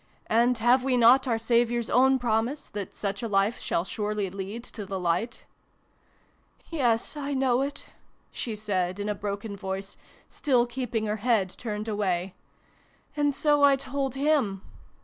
" And have we not our Saviour's own promise that such a life shall surely lead to the light ?"" Yes, I know it," she said in a broken voice, still keeping her head turned away. "And so I told him.